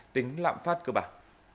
tính lạm phát cơ bản